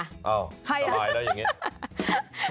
อ้าวสบายแล้วอย่างนี้